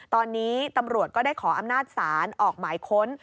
ตอนนี้ตำรวจก็ได้ขออำนาจศาลออกหมายค้น